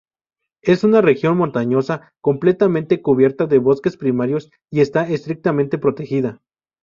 Es una región montañosa completamente cubierta de bosques primarios, y está estrictamente protegida.